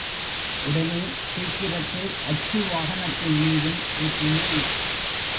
உடனே சீக்கிரத்தில் அச்சு வாகனத்தின் மீதும் ஏற்றினேன்.